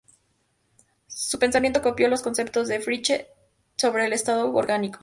Su pensamiento copió los conceptos de Fichte sobre el Estado orgánico.